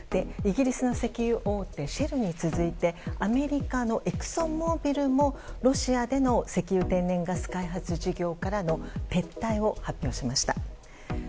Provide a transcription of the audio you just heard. イギリスの石油大手シェルに続いてアメリカのエクソンモービルもロシアでの石油・天然ガス開発事業からの撤退を発表しました。